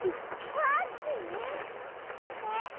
ファッシー！？って？